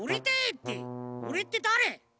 っておれってだれ？